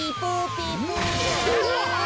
うわ！